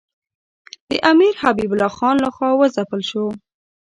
د امیر حبیب الله خان له خوا وځپل شو.